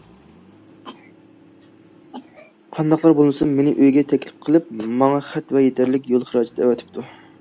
قانداقلا بولمىسۇن مېنى ئۆيىگە تەكلىپ قىلىپ ماڭ خەت ۋە يېتەرلىك يول خىراجىتى ئەۋەتىپتۇ.